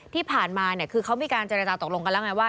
ที่ผ่านมาคือเขามีการเจรจาตกลงกันแล้วไงว่า